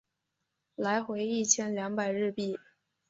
来回一千两百日币